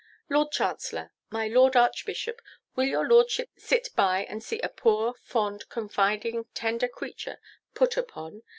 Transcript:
Lord Chancellor! my Lord Archbishop! will your Lordships sit by and see a poor, fond, confiding, tender creature put upon?